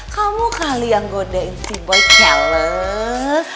kamu kali yang godain si boy jealous